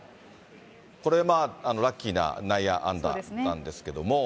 これ、ラッキーな内野安打なんですけれども。